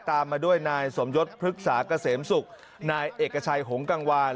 ตามมาด้วยนายสมยศพฤกษาเกษมศุกร์นายเอกชัยหงกังวาน